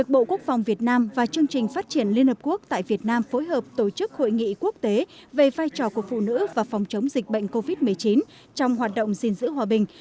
bộ quốc phòng việt nam và chương trình phát triển liên hợp quốc tại việt nam phối hợp tổ chức hội nghị quốc tế về vai trò của phụ nữ và phòng chống dịch bệnh covid một mươi chín trong hoạt động gìn giữ hòa bình